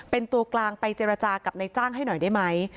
เป็นตัวกลางไปเจรจากับนายจ้างให้หน่อยได้ไหม